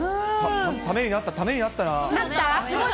ためになった、ためになったなった？